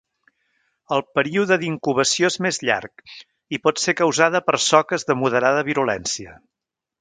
El període d'incubació és més llarg i pot ser causada per soques de moderada virulència.